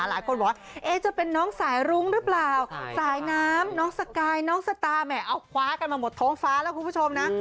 หลายคนบอกว่าจะเป็นน้องสายรุ้งหรือเปล่าสายน้ำน้องสกายน้องสตาร์แหมเอาคว้ากันมาหมดท้องฟ้าแล้วคุณผู้ชมนะ